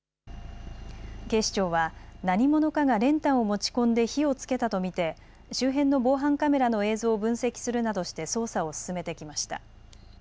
警視庁は何者かが練炭を持ち込んで火をつけたと見て周辺の防犯カメラの映像を分析するなどして捜査を進めてきました。